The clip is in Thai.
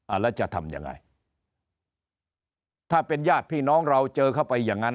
แล้วจะทำยังไงถ้าเป็นญาติพี่น้องเราเจอเข้าไปอย่างนั้น